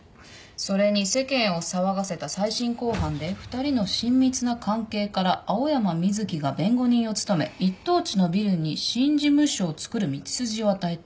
それに世間を騒がせた再審公判で２人の親密な関係から青山瑞希が弁護人を務め一等地のビルに新事務所をつくる道筋を与えた。